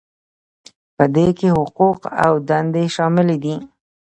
په دې کې حقوق او دندې شاملې دي.